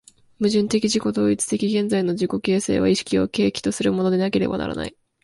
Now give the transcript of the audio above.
矛盾的自己同一的現在の自己形成は意識を契機とするものでなければならない。